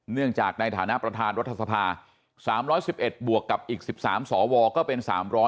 เนื่องจากในฐานะประธานรัฐสภา๓๑๑บวกกับอีก๑๓สวก็เป็น๓๐๐